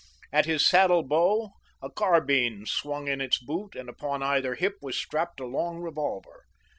At his saddle bow a carbine swung in its boot, and upon either hip was strapped a long revolver.